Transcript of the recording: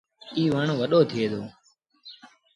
ايٚ وڻ وڏو ٿئي دو۔